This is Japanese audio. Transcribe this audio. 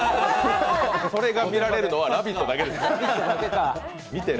それが見られるのは「ラヴィット！」だけです。